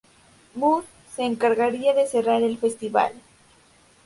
Muse se encargaría de cerrar el festival.